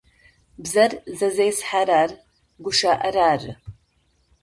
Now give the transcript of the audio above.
Бзэр зезыхьэрэр гущыӏэр ары.